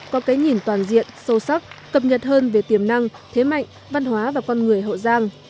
có cái nhìn toàn diện sâu sắc cập nhật hơn về tiềm năng thế mạnh văn hóa và con người hậu giang